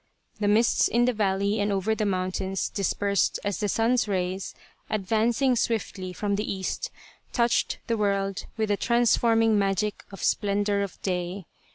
The mists in the valley and over the mountains dispersed as the sun's rays, advancing swiftly from the east, touched the world with the trans forming magic of splendour of day.